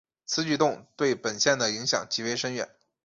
此举动对本线的影响极为深远。